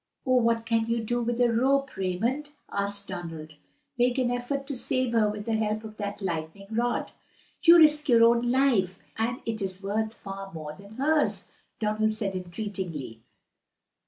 "What can you do with a rope, Raymond?" asked Donald. "Make an effort to save her with the help of that lightning rod." "You risk your own life, and it is worth far more than hers," Donald said entreatingly.